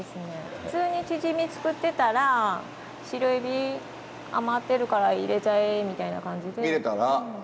普通にチヂミ作ってたらシロエビ余ってるから入れちゃえみたいな感じでおいしかったみたいな。